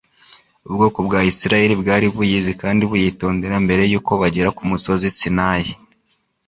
Ubwoko bwa Israeli bwari buyizi kandi buyitondera mbere yuko bagera ku musozi Sinai.